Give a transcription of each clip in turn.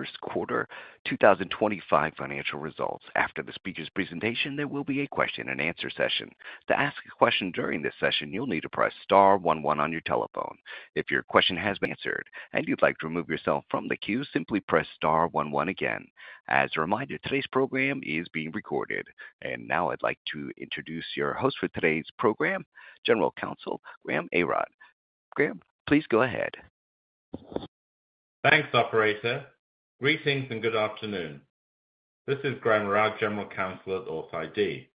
First quarter 2025 financial results. After the speaker's presentation, there will be a question-and-answer session. To ask a question during this session, you'll need to press star one-one on your telephone. If your question has been answered and you'd like to remove yourself from the queue, simply press star one-one again. As a reminder, today's program is being recorded. Now I'd like to introduce your host for today's program, General Counsel Graham Arad. Graham, please go ahead. Thanks, operator. Greetings and good afternoon. This is Graham Arad, General Counsel at authID.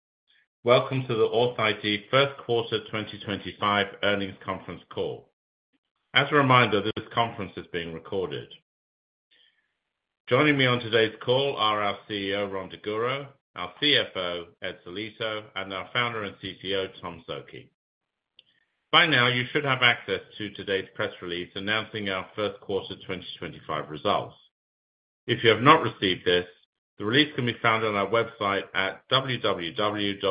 Welcome to the authID First Quarter 2025 earnings conference call. As a reminder, this conference is being recorded. Joining me on today's call are our CEO, Rhon Daguro, our CFO, Ed Sellitto, and our founder and CCO, Tom Szoke. By now, you should have access to today's press release announcing our First Quarter 2025 results. If you have not received this, the release can be found on our website at www.authID.ai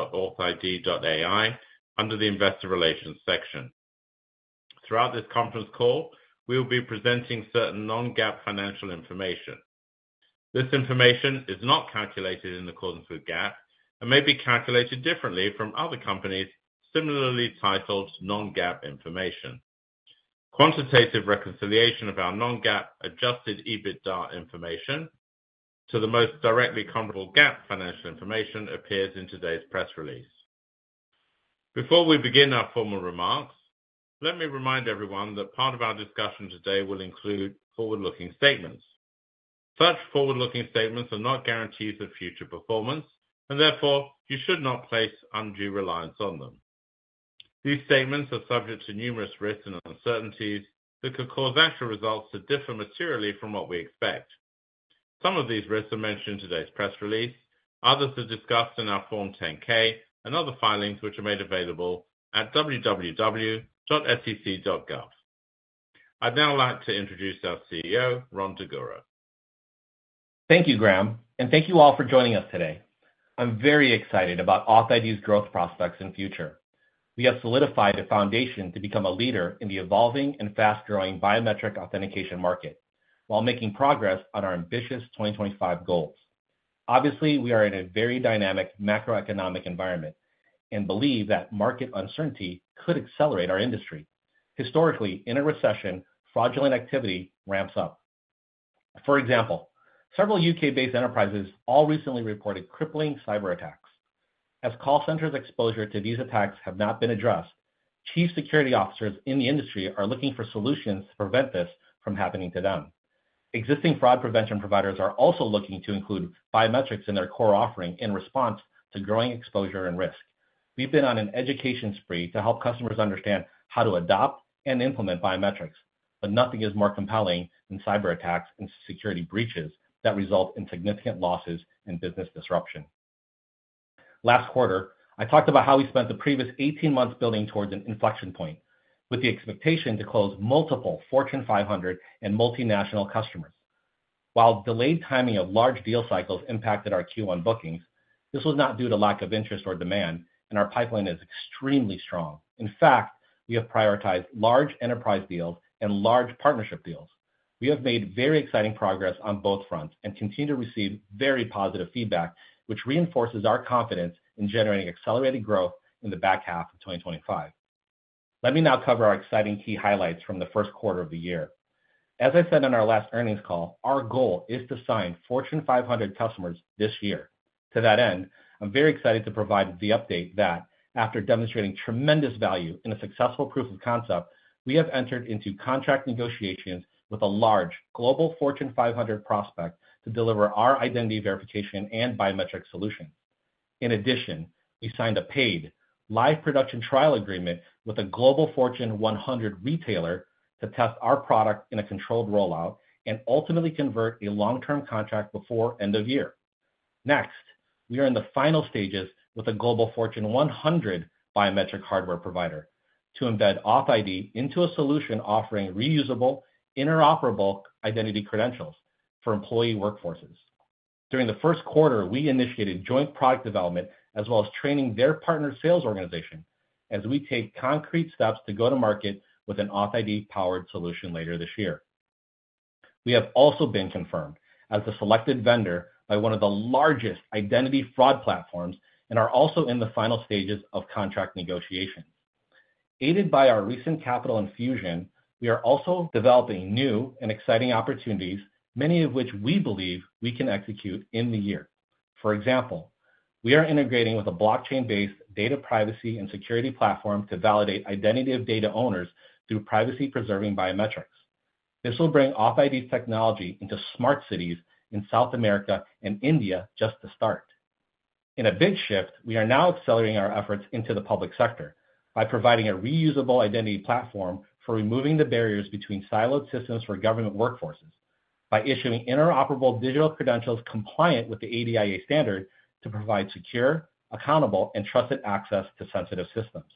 under the Investor Relations section. Throughout this conference call, we will be presenting certain non-GAAP financial information. This information is not calculated in accordance with GAAP and may be calculated differently from other companies' similarly titled non-GAAP information. Quantitative reconciliation of our non-GAAP adjusted EBITDA information to the most directly comparable GAAP financial information appears in today's press release. Before we begin our formal remarks, let me remind everyone that part of our discussion today will include forward-looking statements. Such forward-looking statements are not guarantees of future performance, and therefore you should not place undue reliance on them. These statements are subject to numerous risks and uncertainties that could cause actual results to differ materially from what we expect. Some of these risks are mentioned in today's press release. Others are discussed in our Form 10-K and other filings which are made available at www.sec.gov. I'd now like to introduce our CEO, Rhon Daguro. Thank you, Graham, and thank you all for joining us today. I'm very excited about authID's growth prospects and future. We have solidified a foundation to become a leader in the evolving and fast-growing biometric authentication market while making progress on our ambitious 2025 goals. Obviously, we are in a very dynamic macroeconomic environment and believe that market uncertainty could accelerate our industry. Historically, in a recession, fraudulent activity ramps up. For example, several U.K.-based enterprises all recently reported crippling cyberattacks. As call centers' exposure to these attacks has not been addressed, Chief Security Officers in the industry are looking for solutions to prevent this from happening to them. Existing fraud prevention providers are also looking to include biometrics in their core offering in response to growing exposure and risk. We've been on an education spree to help customers understand how to adopt and implement biometrics, but nothing is more compelling than cyberattacks and security breaches that result in significant losses and business disruption. Last quarter, I talked about how we spent the previous 18 months building towards an inflection point with the expectation to close multiple Fortune 500 and multinational customers. While delayed timing of large deal cycles impacted our queue on bookings, this was not due to lack of interest or demand, and our pipeline is extremely strong. In fact, we have prioritized large enterprise deals and large partnership deals. We have made very exciting progress on both fronts and continue to receive very positive feedback, which reinforces our confidence in generating accelerated growth in the back half of 2025. Let me now cover our exciting key highlights from the first quarter of the year. As I said on our last earnings call, our goal is to sign Fortune 500 customers this year. To that end, I'm very excited to provide the update that after demonstrating tremendous value in a successful proof of concept, we have entered into contract negotiations with a large global Fortune 500 prospect to deliver our identity verification and biometric solutions. In addition, we signed a paid live production trial agreement with a global Fortune 100 retailer to test our product in a controlled rollout and ultimately convert a long-term contract before end of year. Next, we are in the final stages with a global Fortune 100 biometric hardware provider to embed authID into a solution offering reusable, interoperable identity credentials for employee workforces. During the first quarter, we initiated joint product development as well as training their partner sales organization as we take concrete steps to go to market with an authID-powered solution later this year. We have also been confirmed as the selected vendor by one of the largest identity fraud platforms and are also in the final stages of contract negotiations. Aided by our recent capital infusion, we are also developing new and exciting opportunities, many of which we believe we can execute in the year. For example, we are integrating with a blockchain-based data privacy and security platform to validate identity of data owners through privacy-preserving biometrics. This will bring authID's technology into smart cities in South America and India just to start. In a big shift, we are now accelerating our efforts into the public sector by providing a reusable identity platform for removing the barriers between siloed systems for government workforces by issuing interoperable digital credentials compliant with the ADIA standard to provide secure, accountable, and trusted access to sensitive systems.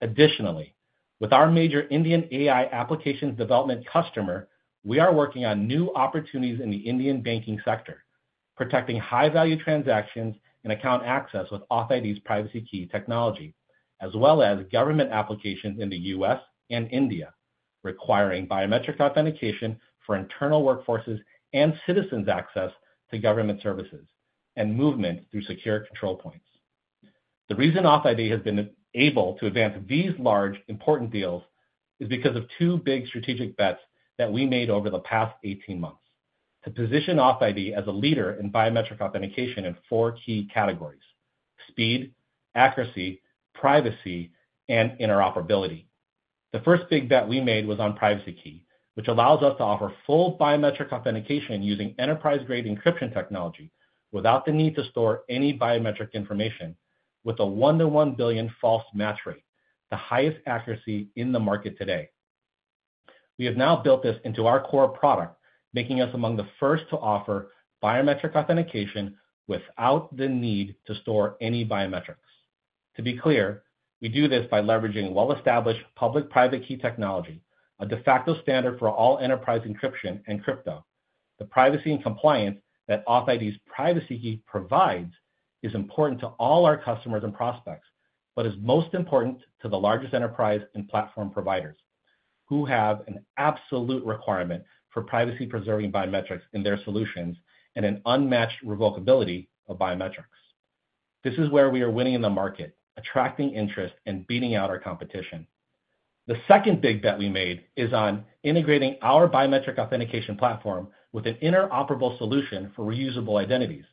Additionally, with our major Indian AI applications development customer, we are working on new opportunities in the Indian banking sector, protecting high-value transactions and account access with authID's Privacy Key technology, as well as government applications in the U.S. and India requiring biometric authentication for internal workforces and citizens' access to government services and movement through secure control points. The reason authID has been able to advance these large important deals is because of two big strategic bets that we made over the past 18 months to position authID as a leader in biometric authentication in four key categories: speed, accuracy, privacy, and interoperability. The first big bet we made was on Privacy Key, which allows us to offer full biometric authentication using enterprise-grade encryption technology without the need to store any biometric information, with a one-to-one billion false match rate, the highest accuracy in the market today. We have now built this into our core product, making us among the first to offer biometric authentication without the need to store any biometrics. To be clear, we do this by leveraging well-established public-private key technology, a de facto standard for all enterprise encryption and crypto. The privacy and compliance that authID's Privacy Key provides is important to all our customers and prospects, but is most important to the largest enterprise and platform providers who have an absolute requirement for privacy-preserving biometrics in their solutions and an unmatched revocability of biometrics. This is where we are winning in the market, attracting interest and beating out our competition. The second big bet we made is on integrating our biometric authentication platform with an interoperable solution for reusable identities,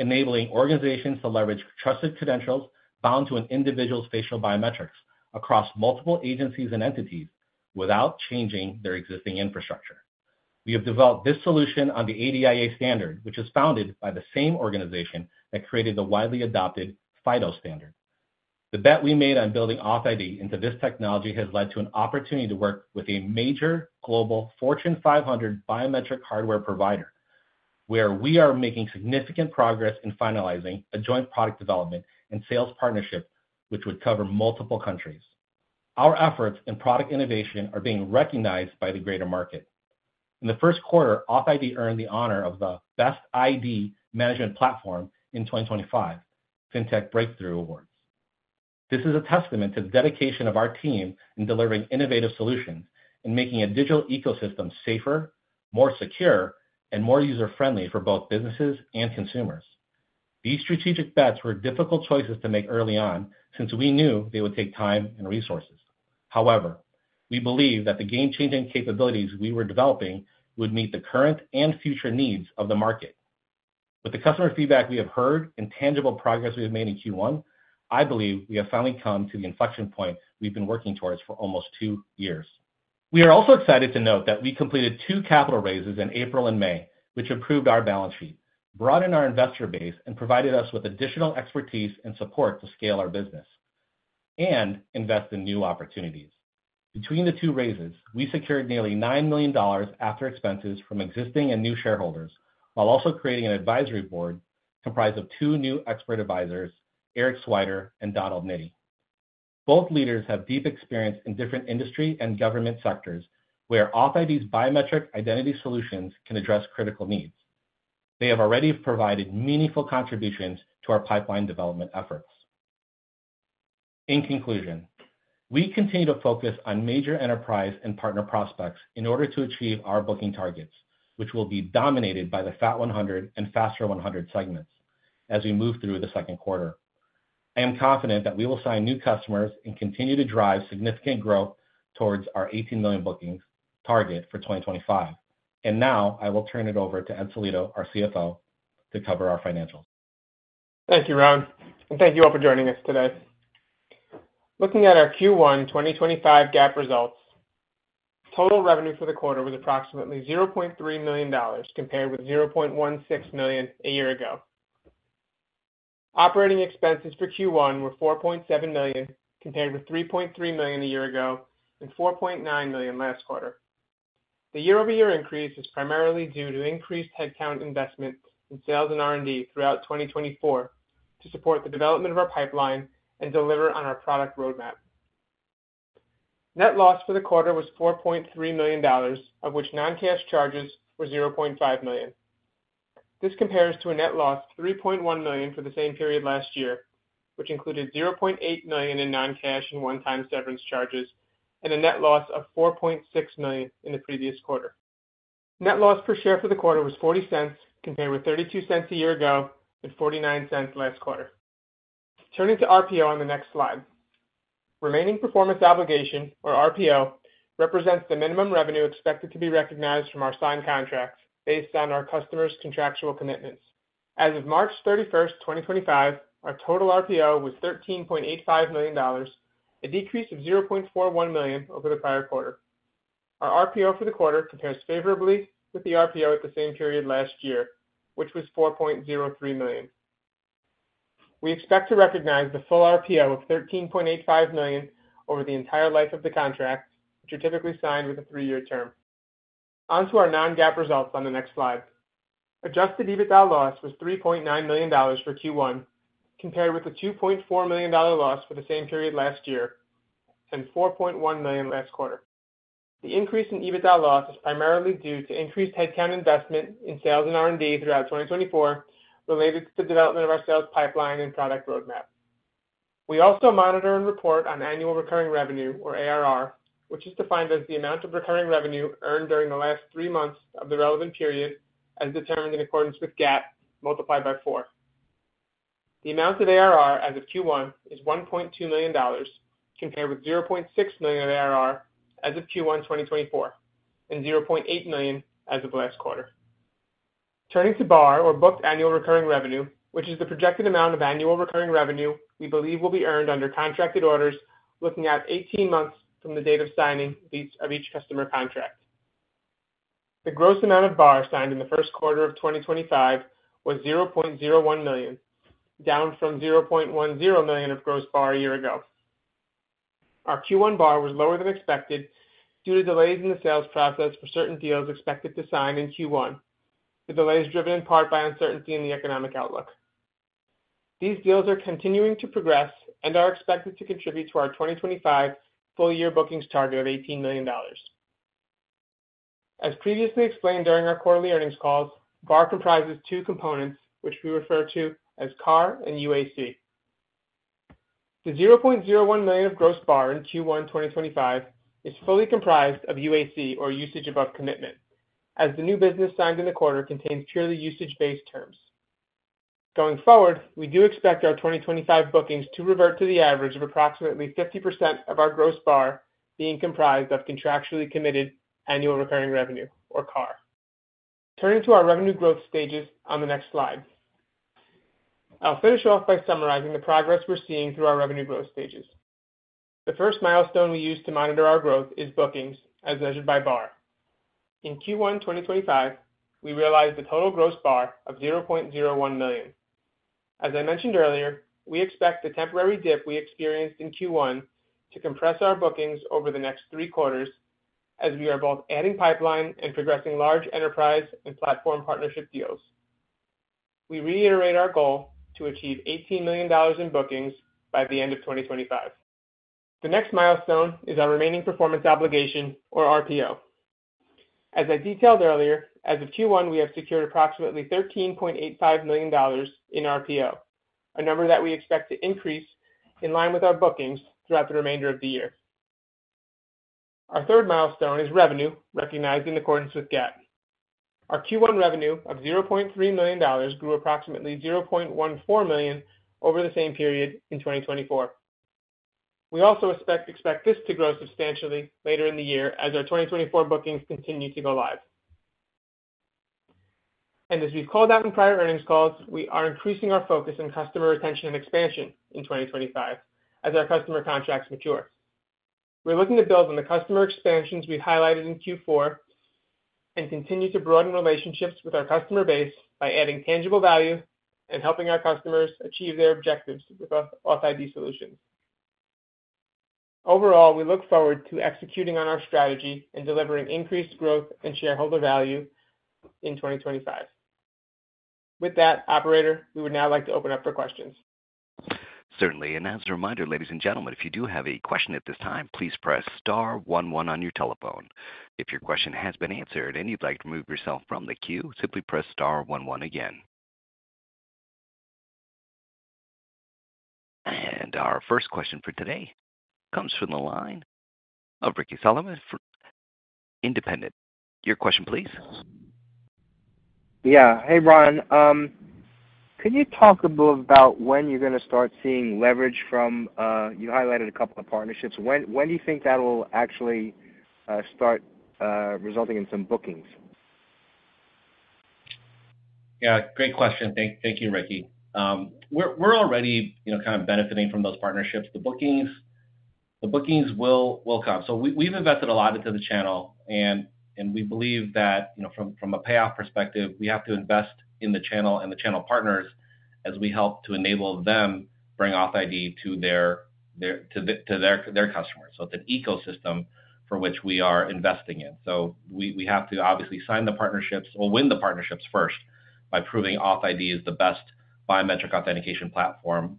enabling organizations to leverage trusted credentials bound to an individual's facial biometrics across multiple agencies and entities without changing their existing infrastructure. We have developed this solution on the ADIA standard, which is founded by the same organization that created the widely adopted FIDO standard. The bet we made on building authID into this technology has led to an opportunity to work with a major global Fortune 500 biometric hardware provider, where we are making significant progress in finalizing a joint product development and sales partnership, which would cover multiple countries. Our efforts in product innovation are being recognized by the greater market. In the first quarter, authID earned the honor of the Best ID Management Platform in 2025 FinTech Breakthrough Awards. This is a testament to the dedication of our team in delivering innovative solutions and making a digital ecosystem safer, more secure, and more user-friendly for both businesses and consumers. These strategic bets were difficult choices to make early on since we knew they would take time and resources. However, we believe that the game-changing capabilities we were developing would meet the current and future needs of the market. With the customer feedback we have heard and tangible progress we have made in Q1, I believe we have finally come to the inflection point we've been working towards for almost two years. We are also excited to note that we completed two capital raises in April and May, which improved our balance sheet, broadened our investor base, and provided us with additional expertise and support to scale our business and invest in new opportunities. Between the two raises, we secured nearly $9 million after expenses from existing and new shareholders while also creating an advisory board comprised of two new expert advisors, Eric Swider and Donald Niddy. Both leaders have deep experience in different industry and government sectors where authID's biometric identity solutions can address critical needs. They have already provided meaningful contributions to our pipeline development efforts. In conclusion, we continue to focus on major enterprise and partner prospects in order to achieve our booking targets, which will be dominated by the FAT 100 and FASTR 100 segments as we move through the second quarter. I am confident that we will sign new customers and continue to drive significant growth towards our $18 million bookings target for 2025. I will now turn it over to Ed Sellitto, our CFO, to cover our financials. Thank you, Rhon. Thank you all for joining us today. Looking at our Q1 2025 GAAP results, total revenue for the quarter was approximately $0.3 million compared with $0.16 million a year ago. Operating expenses for Q1 were $4.7 million compared with $3.3 million a year ago and $4.9 million last quarter. The year-over-year increase is primarily due to increased headcount investment in sales and R&D throughout 2024 to support the development of our pipeline and deliver on our product roadmap. Net loss for the quarter was $4.3 million, of which non-cash charges were $0.5 million. This compares to a net loss of $3.1 million for the same period last year, which included $0.8 million in non-cash and one-time severance charges and a net loss of $4.6 million in the previous quarter. Net loss per share for the quarter was $0.40 compared with $0.32 a year ago and $0.49 last quarter. Turning to RPO on the next slide, remaining performance obligation, or RPO, represents the minimum revenue expected to be recognized from our signed contracts based on our customers' contractual commitments. As of March 31, 2025, our total RPO was $13.85 million, a decrease of $0.41 million over the prior quarter. Our RPO for the quarter compares favorably with the RPO at the same period last year, which was $4.03 million. We expect to recognize the full RPO of $13.85 million over the entire life of the contract, which are typically signed with a three-year term. Onto our non-GAAP results on the next slide. Adjusted EBITDA loss was $3.9 million for Q1 compared with the $2.4 million loss for the same period last year and $4.1 million last quarter. The increase in EBITDA loss is primarily due to increased headcount investment in sales and R&D throughout 2024 related to the development of our sales pipeline and product roadmap. We also monitor and report on annual recurring revenue, or ARR, which is defined as the amount of recurring revenue earned during the last three months of the relevant period as determined in accordance with GAAP multiplied by four. The amount of ARR as of Q1 is $1.2 million compared with $0.6 million of ARR as of Q1 2024 and $0.8 million as of last quarter. Turning to BAR, or booked annual recurring revenue, which is the projected amount of annual recurring revenue we believe will be earned under contracted orders looking at 18 months from the date of signing of each customer contract. The gross amount of BAR signed in the first quarter of 2025 was $0.01 million, down from $0.10 million of gross BAR a year ago. Our Q1 BAR was lower than expected due to delays in the sales process for certain deals expected to sign in Q1, the delays driven in part by uncertainty in the economic outlook. These deals are continuing to progress and are expected to contribute to our 2025 full-year bookings target of $18 million. As previously explained during our quarterly earnings calls, BAR comprises two components, which we refer to as CAR and UAC. The $0.01 million of gross BAR in Q1 2025 is fully comprised of UAC, or usage above commitment, as the new business signed in the quarter contains purely usage-based terms. Going forward, we do expect our 2025 bookings to revert to the average of approximately 50% of our gross BAR being comprised of contractually committed annual recurring revenue, or CAR. Turning to our revenue growth stages on the next slide, I'll finish off by summarizing the progress we're seeing through our revenue growth stages. The first milestone we use to monitor our growth is bookings, as measured by BAR. In Q1 2025, we realized the total gross BAR of $0.01 million. As I mentioned earlier, we expect the temporary dip we experienced in Q1 to compress our bookings over the next three quarters as we are both adding pipeline and progressing large enterprise and platform partnership deals. We reiterate our goal to achieve $18 million in bookings by the end of 2025. The next milestone is our remaining performance obligation, or RPO. As I detailed earlier, as of Q1, we have secured approximately $13.85 million in RPO, a number that we expect to increase in line with our bookings throughout the remainder of the year. Our third milestone is revenue recognized in accordance with GAAP. Our Q1 revenue of $0.3 million grew approximately $0.14 million over the same period in 2024. We also expect this to grow substantially later in the year as our 2024 bookings continue to go live. As we've called out in prior earnings calls, we are increasing our focus on customer retention and expansion in 2025 as our customer contracts mature. We're looking to build on the customer expansions we've highlighted in Q4 and continue to broaden relationships with our customer base by adding tangible value and helping our customers achieve their objectives with authID solutions. Overall, we look forward to executing on our strategy and delivering increased growth and shareholder value in 2025. With that, Operator, we would now like to open up for questions. Certainly. As a reminder, ladies and gentlemen, if you do have a question at this time, please press star 11 on your telephone. If your question has been answered and you'd like to remove yourself from the queue, simply press star 11 again. Our first question for today comes from the line of Ricky Solomon from Independent. Your question, please. Yeah. Hey, Rhon. Could you talk a bit about when you're going to start seeing leverage from you highlighted a couple of partnerships? When do you think that will actually start resulting in some bookings? Yeah. Great question. Thank you, Ricky. We're already kind of benefiting from those partnerships. The bookings will come. We've invested a lot into the channel, and we believe that from a payoff perspective, we have to invest in the channel and the channel partners as we help to enable them to bring authID to their customers. It's an ecosystem for which we are investing in. We have to obviously sign the partnerships or win the partnerships first by proving authID is the best biometric authentication platform.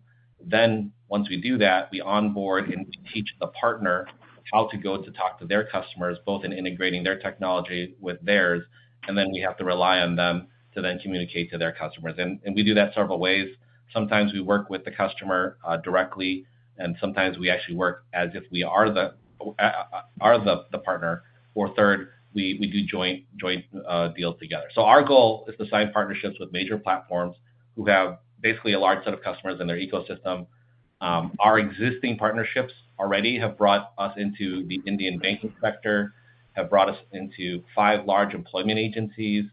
Once we do that, we onboard and teach the partner how to go to talk to their customers, both in integrating their technology with theirs, and we have to rely on them to then communicate to their customers. We do that several ways. Sometimes we work with the customer directly, and sometimes we actually work as if we are the partner. Or third, we do joint deals together. Our goal is to sign partnerships with major platforms who have basically a large set of customers in their ecosystem. Our existing partnerships already have brought us into the Indian banking sector, have brought us into five large employment agencies,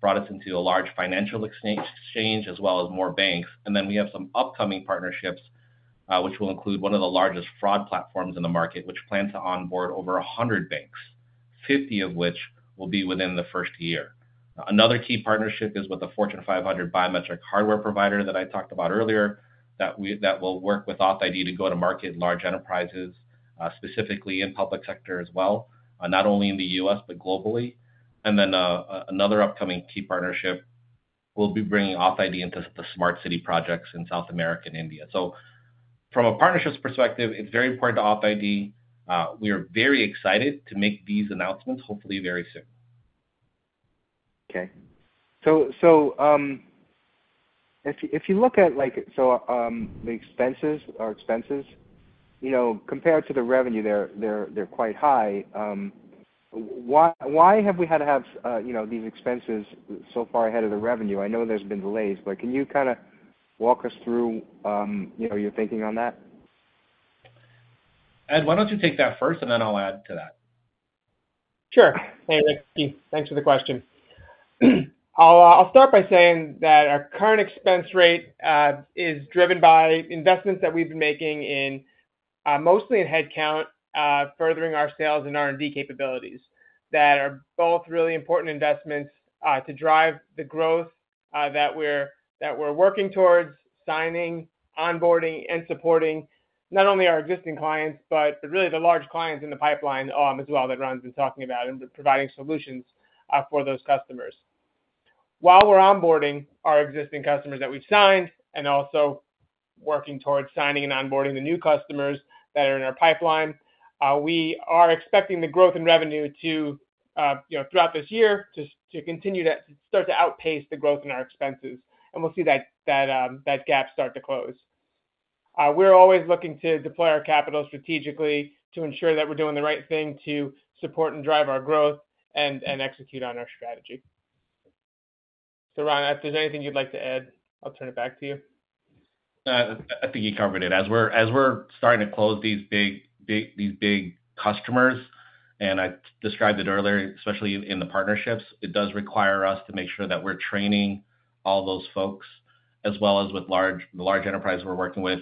brought us into a large financial exchange, as well as more banks. We have some upcoming partnerships, which will include one of the largest fraud platforms in the market, which plans to onboard over 100 banks, 50 of which will be within the first year. Another key partnership is with the Fortune 500 biometric hardware provider that I talked about earlier that will work with authID to go to market large enterprises, specifically in public sector as well, not only in the U.S., but globally. Another upcoming key partnership will be bringing authID into the smart city projects in South America and India. From a partnerships perspective, it is very important to authID. We are very excited to make these announcements, hopefully very soon. Okay. If you look at the expenses, compared to the revenue, they're quite high. Why have we had to have these expenses so far ahead of the revenue? I know there's been delays, but can you kind of walk us through your thinking on that? Ed, why don't you take that first, and then I'll add to that. Sure. Hey, Ricky. Thanks for the question. I'll start by saying that our current expense rate is driven by investments that we've been making mostly in headcount, furthering our sales and R&D capabilities that are both really important investments to drive the growth that we're working towards signing, onboarding, and supporting not only our existing clients, but really the large clients in the pipeline as well that Rhon's been talking about and providing solutions for those customers. While we're onboarding our existing customers that we've signed and also working towards signing and onboarding the new customers that are in our pipeline, we are expecting the growth in revenue throughout this year to continue to start to outpace the growth in our expenses. We'll see that gap start to close. We're always looking to deploy our capital strategically to ensure that we're doing the right thing to support and drive our growth and execute on our strategy. Rhon, if there's anything you'd like to add, I'll turn it back to you. I think you covered it. As we're starting to close these big customers, and I described it earlier, especially in the partnerships, it does require us to make sure that we're training all those folks, as well as with the large enterprises we're working with.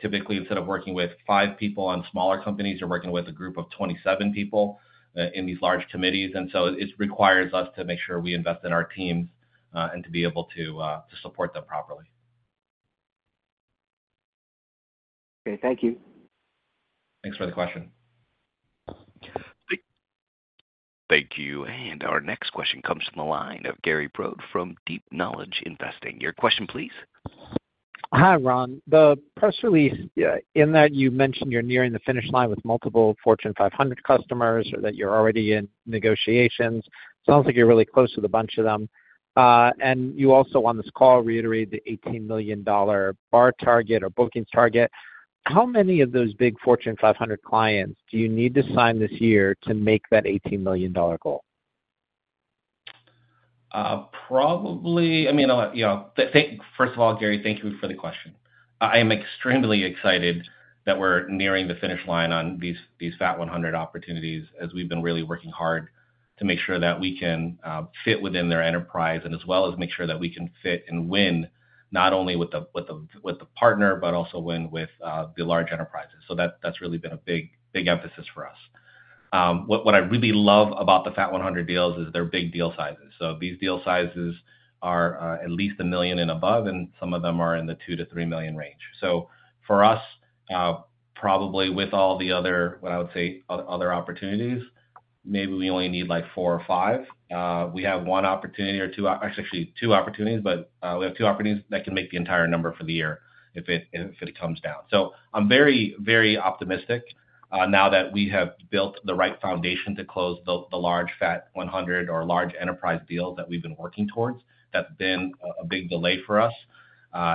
Typically, instead of working with five people on smaller companies, you're working with a group of 27 people in these large committees. It requires us to make sure we invest in our teams and to be able to support them properly. Okay. Thank you. Thanks for the question. Thank you. Our next question comes from the line of Gary Brode from Deep Knowledge Investing. Your question, please. Hi, Rhon. The press release in that you mentioned you're nearing the finish line with multiple Fortune 500 customers or that you're already in negotiations. Sounds like you're really close to a bunch of them. You also on this call reiterated the $18 million BAR target or bookings target. How many of those big Fortune 500 clients do you need to sign this year to make that $18 million goal? Probably, I mean, first of all, Gary, thank you for the question. I am extremely excited that we're nearing the finish line on these FAT 100 opportunities as we've been really working hard to make sure that we can fit within their enterprise and as well as make sure that we can fit and win not only with the partner, but also win with the large enterprises. That has really been a big emphasis for us. What I really love about the FAT 100 deals is they're big deal sizes. These deal sizes are at least $1 million and above, and some of them are in the $2 million-$3 million range. For us, probably with all the other, what I would say, other opportunities, maybe we only need like four or five. We have one opportunity or two, actually two opportunities, but we have two opportunities that can make the entire number for the year if it comes down. I'm very, very optimistic now that we have built the right foundation to close the large FAT 100 or large enterprise deals that we've been working towards. That's been a big delay for us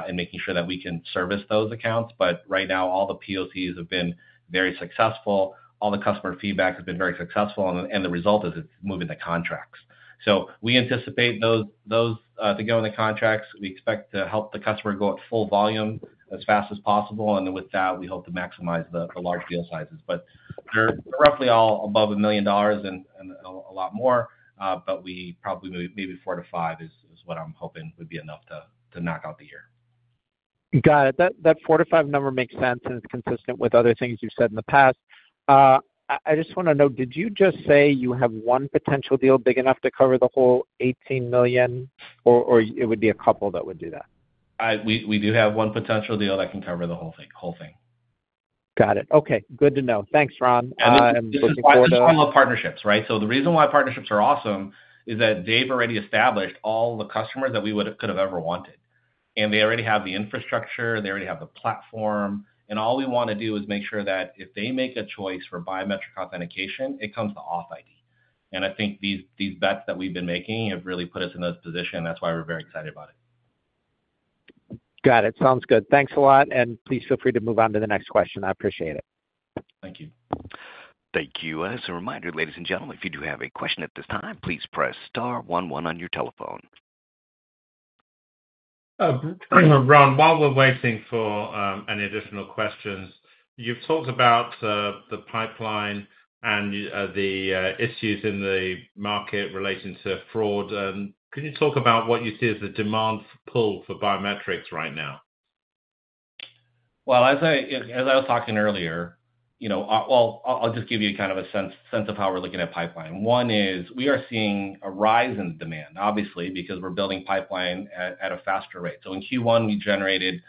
in making sure that we can service those accounts. Right now, all the POCs have been very successful. All the customer feedback has been very successful, and the result is it's moving the contracts. We anticipate those to go in the contracts. We expect to help the customer go at full volume as fast as possible. With that, we hope to maximize the large deal sizes. They're roughly all above $1 million and a lot more, but probably maybe four to five is what I'm hoping would be enough to knock out the year. Got it. That four to five number makes sense and is consistent with other things you've said in the past. I just want to know, did you just say you have one potential deal big enough to cover the whole $18 million, or it would be a couple that would do that? We do have one potential deal that can cover the whole thing. Got it. Okay. Good to know. Thanks, Rhon. I'm looking forward to. That is the channel of partnerships, right? The reason why partnerships are awesome is that they have already established all the customers that we could have ever wanted. They already have the infrastructure. They already have the platform. All we want to do is make sure that if they make a choice for biometric authentication, it comes to authID. I think these bets that we have been making have really put us in those positions. That is why we are very excited about it. Got it. Sounds good. Thanks a lot. Please feel free to move on to the next question. I appreciate it. Thank you. Thank you. As a reminder, ladies and gentlemen, if you do have a question at this time, please press star 11 on your telephone. Rhon, while we're waiting for any additional questions, you've talked about the pipeline and the issues in the market relating to fraud. Can you talk about what you see as the demand pull for biometrics right now? As I was talking earlier, I'll just give you kind of a sense of how we're looking at pipeline. One is we are seeing a rise in demand, obviously, because we're building pipeline at a faster rate. In Q1, we generated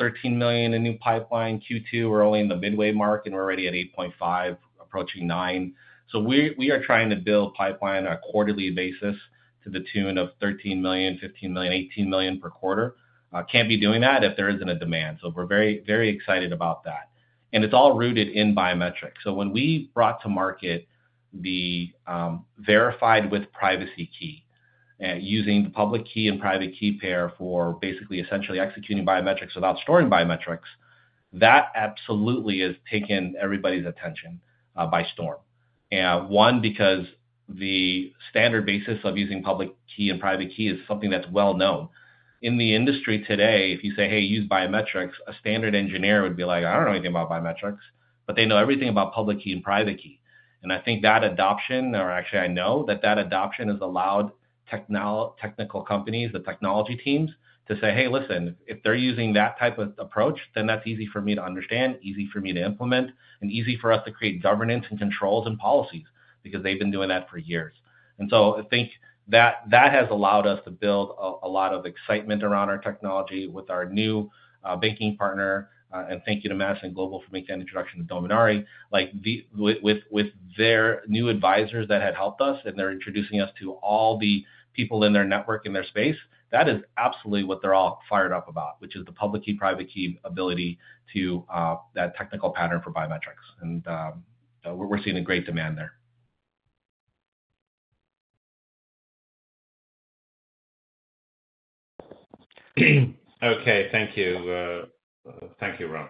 $13 million in new pipeline. Q2, we're only in the midway mark, and we're already at $8.5 million, approaching $9 million. We are trying to build pipeline on a quarterly basis to the tune of $13 million, $15 million, $18 million per quarter. Can't be doing that if there isn't a demand. We're very, very excited about that. It's all rooted in biometrics. When we brought to market the Verified with Privacy Key using the public key and private key pair for basically essentially executing biometrics without storing biometrics, that absolutely has taken everybody's attention by storm. One, because the standard basis of using public key and private key is something that's well known. In the industry today, if you say, "Hey, use biometrics," a standard engineer would be like, "I don't know anything about biometrics," but they know everything about public key and private key. I think that adoption, or actually I know that that adoption has allowed technical companies, the technology teams, to say, "Hey, listen, if they're using that type of approach, then that's easy for me to understand, easy for me to implement, and easy for us to create governance and controls and policies because they've been doing that for years." I think that has allowed us to build a lot of excitement around our technology with our new banking partner. Thank you to Madison Global for making that introduction to Dominary. With their new advisors that had helped us, and they're introducing us to all the people in their network in their space, that is absolutely what they're all fired up about, which is the public key, private key ability to that technical pattern for biometrics. And we're seeing a great demand there. Okay. Thank you. Thank you, Rhon.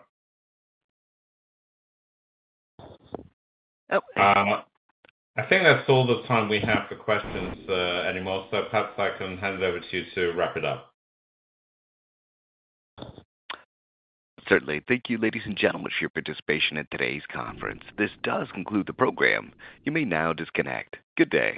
I think that's all the time we have for questions. So perhaps I can hand it over to you to wrap it up. Certainly. Thank you, ladies and gentlemen, for your participation in today's conference. This does conclude the program. You may now disconnect. Good day.